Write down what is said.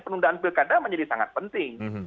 penundaan pilkada menjadi sangat penting